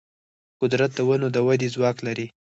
قدرت د ونو د ودې ځواک لري.